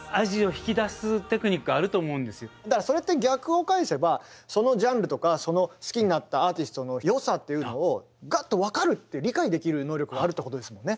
だからそれって逆を返せばそのジャンルとかその好きになったアーティストのよさっていうのをガッと分かるっていう理解できる能力があるってことですもんね。